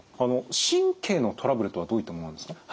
神経のトラブルとはどういったものなんですか？